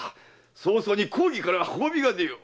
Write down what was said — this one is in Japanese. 早々に公儀から褒美が出よう。